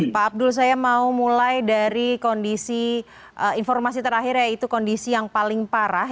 pak abdul saya mau mulai dari kondisi informasi terakhir yaitu kondisi yang paling parah